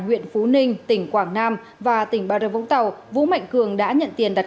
huyện phú ninh tỉnh quảng nam và tỉnh bà rơ vũng tàu vũ mạnh cường đã nhận tiền đặt